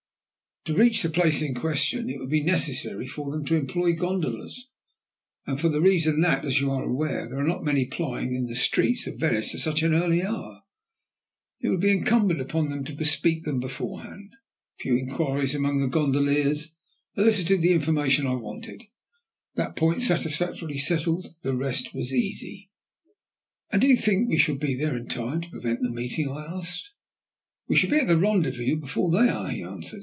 To reach the place in question it would be necessary for them to employ gondolas, and for the reason that, as you are aware, there are not many plying in the streets of Venice at such an early hour, it would be incumbent upon them to bespeak them beforehand. A few inquiries among the gondoliers elicited the information I wanted. That point satisfactorily settled, the rest was easy." "And you think we shall be there in time to prevent the meeting?" I asked. "We shall be at the rendezvous before they are," he answered.